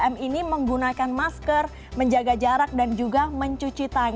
tiga m ini menggunakan masker menjaga jarak dan juga mencuci tangan